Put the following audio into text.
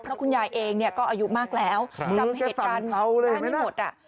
เพราะคุณยายเองเนี่ยก็อายุมากแล้วจำเหตุการณ์เขาได้ไม่หมดอ่ะ